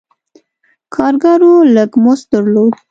کارګرو لږ مزد درلود.